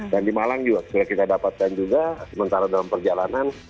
dan di malang juga setelah kita dapatkan juga sementara dalam perjalanan